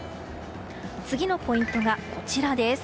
次のポイントが、こちら。